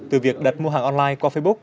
từ việc đặt mua hàng online qua facebook